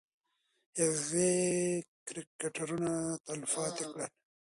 هغې کرکټرونه تلپاتې کړل.